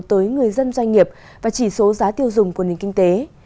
tới người dân doanh nghiệp và chỉ số giá tiêu dùng của nền kinh tế